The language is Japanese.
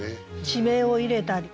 地名を入れたり。